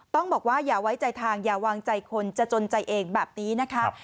ต้องบอกว่าอย่าไว้ใจทางอย่าวางใจคนจะจนใจเองแบบนี้นะคะ